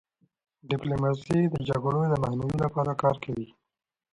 ډيپلوماسي د جګړو د مخنیوي لپاره کار کوي.